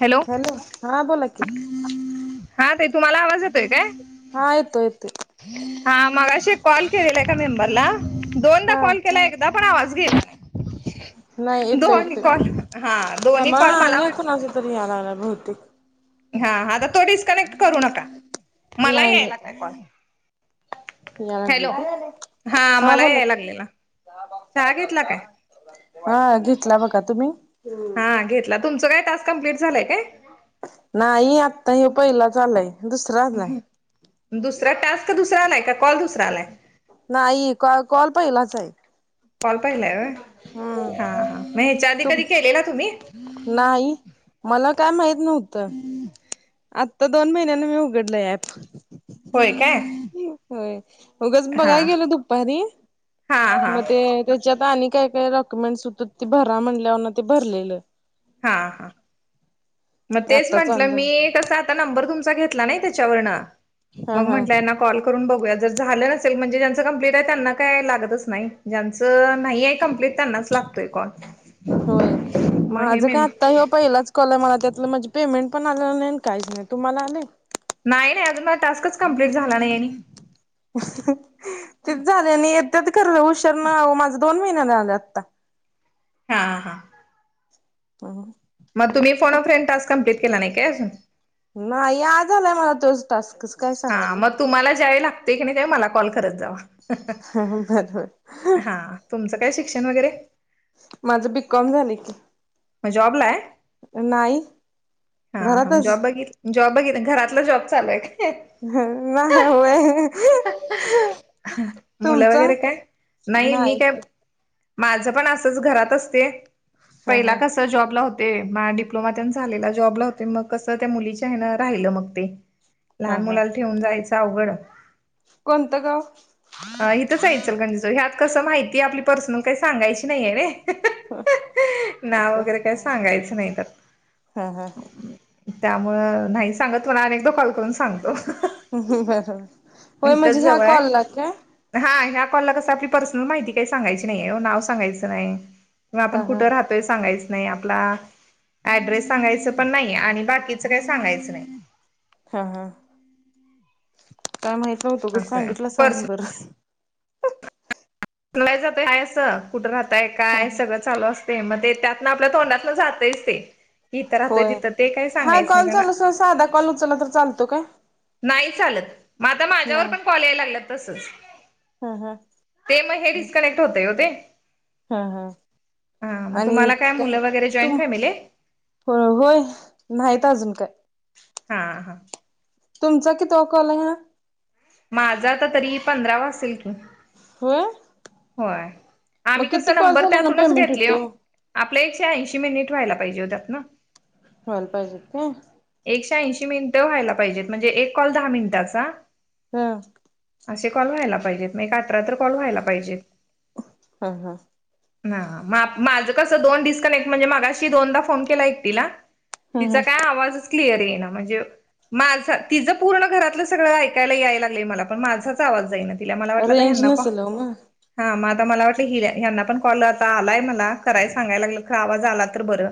Hello हा बोला की हा ताई तुम्हाला आवाज येतोय काय? हा येतोय येतोय. हा मगाशी एक कॉल केलेला एका मेंबरला दोनदा हा. कॉल केला एकदा पण आवाज गेला नाही येतोय दोन्ही येतोय कॉल हा दोन्ही थांबा कॉल हा मला आणि वाट कोणाचा तरी यालय बहुतेक हा आता तो डिस्कनेक्ट करू नका मला यायला लागलंय कॉल. याय हॅलो लागलाय का हा मला बोला याय की- लागलेला चहा घेतला काय हा घेतला बघा तुम्ही? हा घेतला तुमचा काय टास्क कंप्लीट झालंय काय? नाही आत्ता योय पहिलं झालय. दुसरा टास्क दुसरा आलाय का कॉल दुसरा आलाय? नाही का कॉल पहिलाच आहे. कॉल पाहिला आहे हम्म होय मग ह्याच्या आधी तुम कधी केलेला तुम्ही? नाही मला काय माहित नव्हतं. आत्ता दोन महिन्याने मी उघडलं ऍप. होय काय. होय उगच हा बघायला गेलं दुप्पारी हा हा मग ते त्याच्यात आणि काय काय डॉक्युमेंट्स होत ते भरा म्हणल्यावरन ते भरलेलं. हा हा मग ते तेच आत्ता चालू म्हटलं मी झालं कसं नंबर तुमचा घेतला नाही त्याच्यावरन हा मग हा म्हटलं हयांना कॉल करून बघूया जर झाला असेल म्हणजे ज्याचं कंप्लीट आहे त्यांना काही लागतच नाही ज्याचं नाहीय कंप्लीट त्यांनाच लागतोय कॉल होय. मग हे माझं मे काय आत्ता ह्यो पहिलाच कॉल मला त्यातलं म्हणजे पेमेंट पण आलेलं नाही काहीच नाही तुम्हाला आले? नाही नाही अजून मला टास्कच कम्प्लीट झाला नाही आणि तेच झाले आणि आता करलं हुशीर ना माझं दोन महिन्याने झालं आता हा हा ह मग तुम्ही phone a friend task complete केला नाही काय अजून नाही आज आलाय मला तोच टास्कच काय हा सांगालोय मग तुम्हाला ज्यावेली लागतय की नाही त्यावेळी मला कॉल करत जावा हो हो बरबर हा तुमचं काय शिक्षण वगैरे माझं बीकॉम झालय की मग जॉबला आहे नाही हा हा घरातच. जॉब बघितला जॉब बघितलं घरातलं जॉब चालू हाय खहं अंहं नाही होय अहं अहं मुलं तुमचा वगैरे काय नाही मी काय माझं पण असंच घरात असते हा पहिला हा कसं कसं जॉब ला होते माझा डिप्लोमा तेन झालेला जॉबला होते मग कस त्या मुलीच्या हेनं राहिलं मग ते हा लहान हा. मुलाला ठेवून जायचं अवघड कोणतं गाव तर ह्यात कसं माहिती आपली पर्सनल काही सांगायची नाहीये रे हा नाव वगैरे काही सांगायचं नाही हा हा त्यात त्यामुळं नाही सांगत कुणाला मी एकदा कॉल करून सांगतो हम् हम् हा हा हो म्हणजे इथंच ह्या जवळ आहे कॉलला का हा ह्या कॉलला कसं आपली पर्सनल माहिती काही सांगायची नाहीये ओ नाव सांगायचं नाही मग आपण हा हा कुठं राहतो ते सांगायच नाही आपला ऍड्रेस सांगायचं पण नाही आणि बाकीच काही सांगायचं नाही हा हा काय माहित नाही तुम्ही असं सांगितलासा म्हणून पर्स बरं माहीत जातय हाय असं कुठं राहताय हा काय हा सगळं चालू असतय मग ते त्यातनं आपल्या तोंडातन जातच ते इथं राहतोय होय तिथं ते काही हा सांगायचं नाही कॉल त्यांना चालू अस साधा कॉल उचलला तर चालतो काय नाही चालत म आता माझ्यावर नाही पण कॉल यायला लागल्यात तसच हा हा ते मग हे डिस्कनेक्ट होतय ओ ते हा हा हा मग आणि तुम्हाला काय मुलं वगैरे जॉईंट फॅमिली आहे अ ह नाहीत अजून काय हा हा तुमचा कितवा कॉल आहे हा माझा आता तरी पंधरावा असेल कि हो होय आम्ही कसं कॉल नंबर झाला ना त्यातूनच पेमेंट घेतलोय होते ओ हो आपलं एकशे ऐंशी मिनिट व्हायला पाहिजे होतात ना व्हायला पाहिजेत का एकशे ऐंशी मिनिटं व्हायला पाहिजेत म्हणजे एक कॉल दहा मिनिटाचा हो असे कॉल व्हायला पाहिजेत नाहीतर अठरा तर कॉल व्हायला पाहिजेत हा हा हा हा मा माझं कसं दोन डिस्कनेक्ट म्हणजे माघाशी दोनदा फोन केला एकटीला तिचा हा काय आवाजच क्लिअर येईना म्हणजे माझा तिझं पूर्ण घरातलं सगळं ऐकायला यायला लागलंय मला पण माझाच आवाज जाईना तिला मला वाटलं तर रेंज ह्यना कॉ नसेल ओ मग हा मग आता मला वाटलं हि ह्यांना पण कॉल आता आलाय मला कराय सांगायला लागलेत खर आवाज आला तर बरं.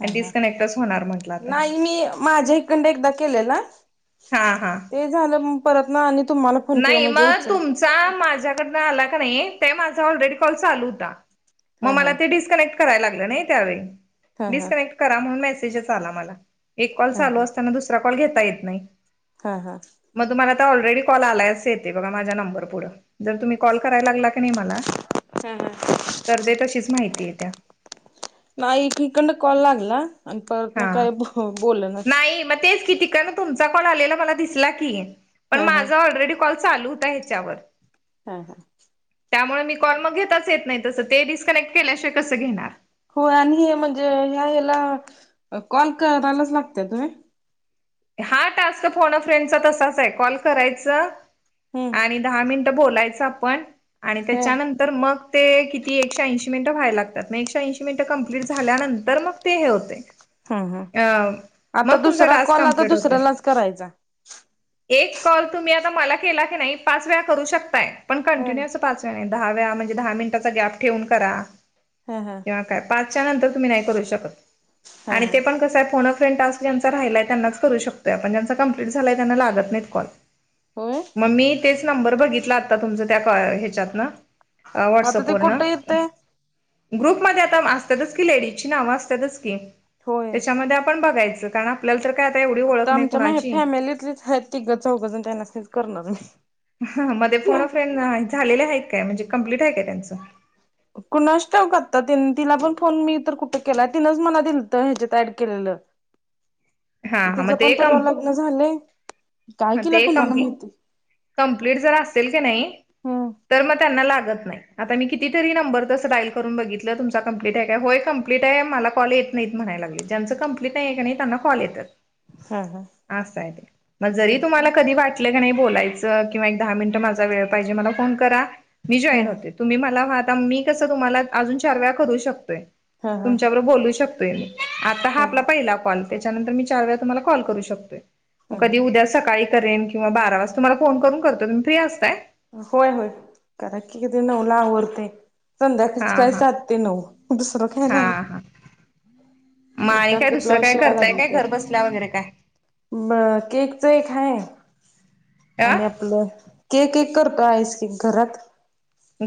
ह आणि ह डिस्कनेक्टच होणार म्हटलं आता हे नाही मी माझ्या इकंड एकदा केलेला. हा हा ते झालं मग परत ना आणि तुम्हाला फोन केल म्हणजे उचल. चा माझ्याडन आला की नाही माझा ऑलरेडी कॉल चालू होता म हा माला हा डिस्कनेक्ट. कराय लागल नी त्या वेळी हा हा डिस्कनेक्ट करा म्हणून मेसेज आला मला. एक कॉल हा चालू हा असताना दुसरा कॉल घेता येत नाही. हा हा. मग तुम्हाला आता ऑलरेडी कॉल आलायच येते बघा माझ्या नंबर पुढं. जर तुम्ही कॉल करायला लागला की नी मला. [inaudible] तर ते तशीच माहिती आहे त्यात. नाही एकीकडन कॉल लागला आणि परत ना हा काय बोलना. नाही मग तेच कि तिकडन तुमचा कॉल आलेला मला दिसला की पण हा हा माझ ऑलरेडी. कॉल चालू होता ह्याच्यावर. हा हा. त्यामुळे मी कॉल मग घेताच येत नाही तसं ते डिस्कनेक्ट केल्याशिवाय कसं घेणार. हो आणि हे म्हणजे ह्या हेला कॉल करायलाच लागत्यात होय. हा टास्क फोन अप फ्रेंडचा तसाच आहे कॉल करायचा हम्म आणि दहा मिनट. बोलायचं आपण आणि ह त्याच्यानंतर मग ते किती एकशे ऐंशी मिनटं व्हायला लागतात मग एकशे ऐंशी मिनिटं कम्प्लीट झाल्यानंतर मग ते हे होतय. हम ह आता दुसरा टास्क कॉल आता कंप्लीट होते दुसऱ्यालाच करायचा. एक कॉल तुम्ही आता मला केला की नाही पाच वेळा करू शकताय. पण हा कंटिन्यु अस पाच वेळा नाही दहा वेळा म्हणजे दहा मिनिटाचा गॅप ठेवून करा. हा हा. हा काय पाच च्या नंतर तुम्ही नाही करू शकत आणी हा तेपण कस आहे फोन अप फ्रेंड टास्क ज्यांचा राहिलाय. त्यांनाच करू शकतोय आपण ज्यांचा कंप्लीट झालाय त्यांना लागत नाहीत कॉल. होय. मग मी तेच नंबर बघितला आता तुमचा त्या क ह्याच्यातन. अ आता वॉट्सअप ते वरन. कुठं येतंय ग्रुप मध्ये आता असतातच की लेडीजची नावं असतातच की. होय. त्याच्यामध्ये आपण बघायच कारण आपल्या तर. काय एवढी आता ओळख नाही आमच्या म ही कुणाची फॅमिलीतलीच आहेत तिघ चौघेजन त्यांनाच करणार मी. ह मध्ये फोन अप फ्रेंड झालेले आहेत काय म्हणजे कम्प्लीट आहे काय त्यांचं? कुणास ठाऊक आता तीन तिला पण फोन मी तर कुठे केलाय तिनंच मला दिलत ह्याच्यात ऍड केलेत. हा हा म ते कम. लग्न झालंय काय ह केलं ते कुणाला कम्प् माहिती कंप्लीट जर असेल की नाही. हम्म तर मग त्यांना लागत नाही आता मी कितीतरी नंबर तसं डायल करून बघितलं तुमचा कंप्लीट आहे काय होय क. कंप्लीट आहे मला कॉल येत नाही म्हणाय लागले ज्यांचं कंप्लीट आहे की नाही त्यांना कॉल येतात हा हा अस आहे जरी होय काय तुम्हाला कधी वाट. ले कणी बोलायचं किंवा एक दहा मिनट माझा वेळ पाहिजे मला फोन करा मी जॉईन हम्म होते. तुम्ही मला वाहता [unintelligible] मी कसं तुम्हाला अजून चार वेळा करू शकतोय. हा हा तुमच्याबरोबर बोलू शकतोय मी आता हा आपला पहिला कॉल. त्याच्या नंतर मी चार वेळा तुम्हला कॉल करू शकते मग ह कधी ह उद्या सकाळी करेन. किंवा बारा वाजता तुम्हाला फोन करून करतो तुम्ही फ्री असताय? होय, होय, करा की, किती नवला आवरतय. हा संध्याकाळीच काय, हा सात ते नऊ दुसरं काय नाही. हा हा मग आणि काय एखांद दुसरं ब्लाऊज काय शिवायला करताय काय लागल्यात घर वाटत. बसल्या वगैरे काय? ब केकच एक हाय अ आणि आपलं केक एक करतो आईसकेक घरात.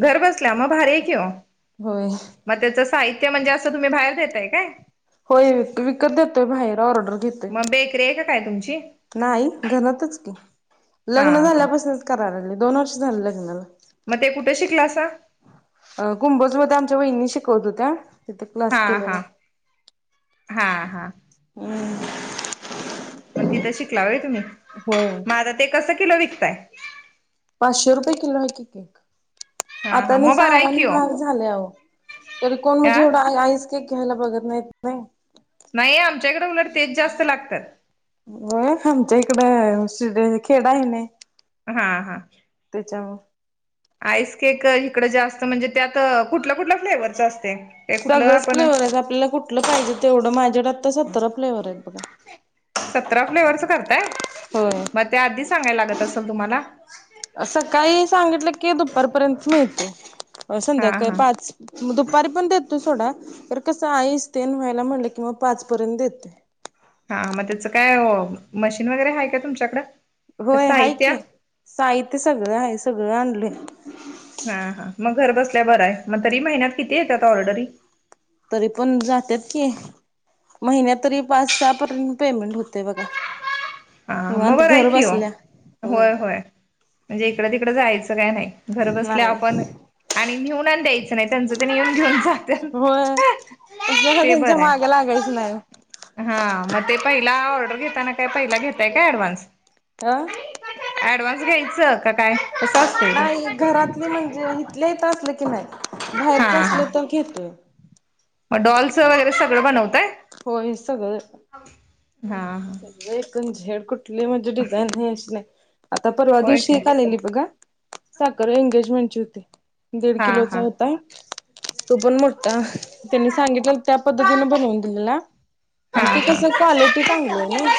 घर बसल्या, मग भारी आहे की ओ. होय. मग, त्याचं साहित्य म्हणजे, असं तुम्ही बाहेर देताय काय? होय, विकत देतोय, बाहेर ऑर्डर घेतोय. [unintelligible] काय तुमची? नाही, घरातच की, लग्न हा झाल्यापासनच करा लागलोय, दोन वर्ष झाले लग्नाला. मग ते कुठं शिकलासा? कुंभोजमध्ये आमच्या वहिणी शिकवत होत्या. तिथे हा, क्लास हा. केलेला हा, हा. हं. मग तिथं शिकला होय तुम्ही? मग आता ते कसं किलो विकताय? पाचशे रुपये किलो आहे की, केक. हा आता हा आणि मग बरं आहे सामान कि ओ महाग झालय आओ, तरी कोण आ म्हणजे, एवढं आईस केक घ्यायला बघत नाहीत. नाही नाही, आमच्याकडे उलट तेच जास्त लागत्यात. होय, आमच्या इकड [unintelligible] खेड आहे आणि. हा, हा. त्याच्यामुळ. आईसकेक इकड जास्त म्हणजे, त्यात कुठल्या, कुठल्या फ्लेवरच असतय? ते कुठलं सगळंच आपण फ्लेवर आहे, आपल्याला कुठलं पाहिजे तेवढं. माझ्याकडे आत्ता सतरा फ्लेवर आहे. सतरा फ्लेवरच करताय? होय मग ते आधी सांगाय लागत असल तुम्हाला? सकाळी सांगितलं की, दुपारपर्यंत मिळतय हा संध्याकाळी हा पाच म दुपारी पण देतो सोडा, खरं कसं आईस तेन व्हायला म्हटलं कि, मग पाचपर्यंत देते. हा, मग त्याच काय मशीन वगैरे, आहे का तुमच्याकडं? होय आहे की, साहित्य साहित्य सगळं आहे, सगळं आणलोय. हा, हा, मग घर बसल्या बरं आहे, मग तरी महिन्यात किती येतात ऑर्डरी? तरी पण जात्यात की महिन्यात तरी पाच, सहा पर्यंत पेमेंट होतय बघा. हा, निवांत मग बर आहे घर की ओ. बसल्या होय, होय. म्हणजे, इकडं-तिकड जायचं काय नाही, घर बसल्या नाही आपण आणि नेऊून द्यायचं नाही, त्यांच तेनी येऊन घेऊन जात्यात. होय. कशाला? त्यांच्या मागला लागायचं नाही ओ. हा, मग ते पहिला ऑर्डर घेताना, काय पहिला घेताय का ऍडवान्स? [unintelligible] ऍडव्हान्स घ्यायचं का? काय? कस अस नाही, घरातली म्हणजे, इथले इथ असलं की नाही, हा बाहेरच हा असलं तर घेतोय. मग डॉलच वैगरे सगळं बनवताय? होय, सगळं. हा, हा. [unintelligible] आता परवा होय दिवशी काय एक आलेली बघा, साखर एंगेजमेंटची होती. दीड हा किलोचा हा होता, तो पण मोठा त्यांनी सांगितलं त्या पद्धतीन बनवून दिलेला. हा आणि ते हा कसं क्वालीटी‌त चांगली नाही.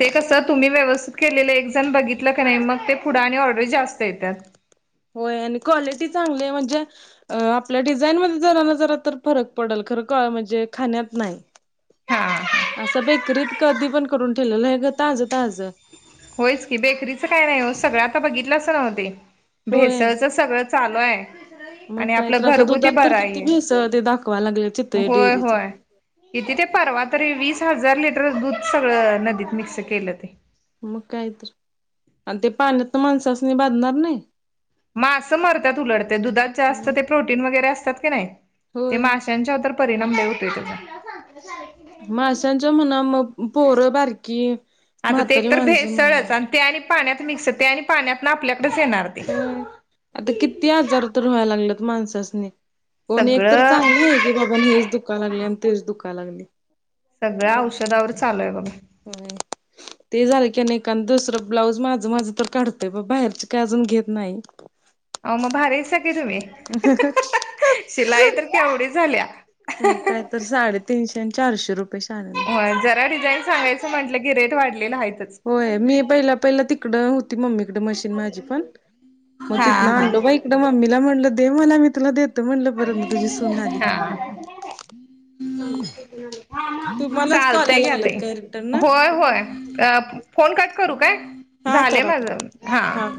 ते कसं तुम्ही व्यवस्थित केलेलं एक जण बघितलं का नाही मग ते पुुढं आणि ऑर्डर जास्त येतात. होय आणि क्वालिटी चांगली म्हणजे अ आपल्या डिझाईन मध्ये जरा ना जरा तर फरक पडेल खरं का म्हणजे खाण्यात नाही. हा असं बेकरीत कधी पण करून ठेवलेलं आहे, ग ताज ताज होयच की बेकरीचं काय नाही हो सगळं आता बघितलंच नव्हते होय भेसळच सगळं चालू आहे. मग आणि काय आपलं तर आता घरगुती दुधात बर तर आहे किती हे. भेसळ ते दाखवा लागले चितळे होय डेअरीच होय. इथे ते परवा तरी वीस हजार लिटर दूध सगळं नदीत मिक्स केलं ते. मग काय तर आणि ते पाण्यात तर माणसासनी बाधनार नाही. मासं मरतात उलट ते. दुधात जास्त मग ते प्रोटीन वगैरे असतात की नाही ते होय माशांच्या तर परिणाम लय होत्यात त्याच माशांचं म्हणा मग पोरं बारकी आता ते म्हातारी एक तर माणसं म्हणा भेसळच आणि ते आणि पाण्यात मिक्स ते आणि पाण्यातन आपल्याकडेच येणार. ते हम. आता किती आजार तर व्हायला लागलंत माणसासनी पण एक तर सगळं चांगलं आहे की बाबा हेच दुका लागले आणि तेच दुख लागले. सगळ्या औषधावर चालूय बघा. हम् ते झालं की नाही काण दुसरं ब्लाऊज माझं माझं तर काढतय प बाहेरची काय अजून घेत नाही. [inaudible] अहो मग भारी आहेसा की तुम्ही, शिलाई तर केवढी झाल्या. मग काय तर साडेतीनशे आणि चारशे रुपये शाने. जरा डिझाईन सांगायचं म्हटलं की रेट वाढलेला आहेतच. होय मी पहिला पहिला तिकडं होती, मम्मीकडे मशीन माझी पण मग हा तिथनं हा आणलो बाई एकड मम्मीला म्हणलं, दे मला मी तुला देते म्हटलं परत तुझी सून आली की हा तुम्हालाच कॉल चालतंय यायला घ्या लागल्यात ताई काय रिटर्न? होय होय फोन कट करू काय? हा झालय करा माझ करा हा